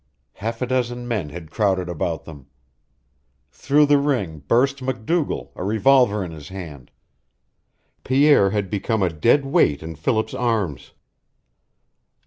Half a dozen men had crowded about them. Through the ring burst MacDougall, a revolver in his hand. Pierce had become a dead weight in Philip's arms.